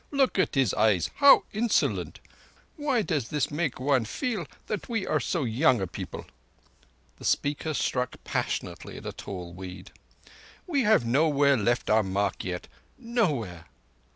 Look at his eyes—how insolent! Why does this make one feel that we are so young a people?" The speaker struck passionately at a tall weed. "We have nowhere left our mark yet. Nowhere!